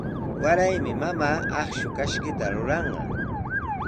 Waraymi mamaa akshu kashkita ruranqa.